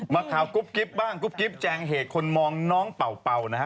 มาข่าวกรุ๊ปกริ๊ปบ้างกรุ๊ปกริ๊ปแจงเหตุคนมองน้องเป่านะครับ